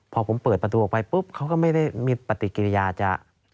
พอผมเปิดประตูออกไปปุ๊บเขาก็ไม่ได้มีปฏิกิริยาจะ